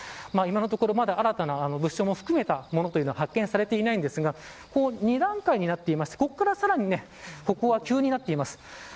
今のところ、まだ新たな物証も含めたもの発見されていないんですが２段階になっていましてここからさらに歩道が急になっています。